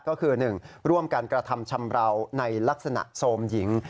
ก็คือ๑ร่วมกันกระทำชำราวในลักษณะโซมหญิง